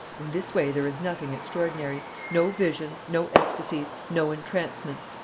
In this way there is nothing extraordinary. No visions, no ecstasies, no entrancements.